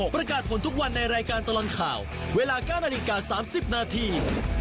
ประกาศผลทุกวันในรายการตลอดข่าวเวลา๙นาฬิกา๓๐นาที